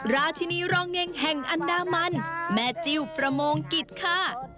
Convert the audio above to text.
ราชินีรองเง็งแห่งอันดามันแม่จิ้วประมงกิจค่ะ